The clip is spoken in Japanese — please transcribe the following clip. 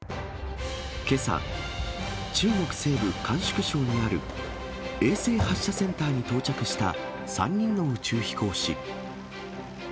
けさ、中国西部甘粛省にある衛星発射センターに到着した３人の宇宙飛行士。